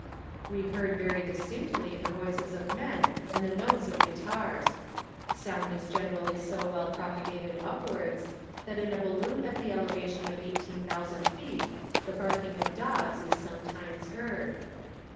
We heard very distinctly the voices of men and the notes of guitars. Sound is generally so well propagated upwards, that in a balloon at the elevation of 18,000 feet the barking: of dogfs is sometimes heard.